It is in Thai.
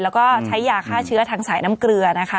แล้วก็ใช้ยาฆ่าเชื้อทางสายน้ำเกลือนะคะ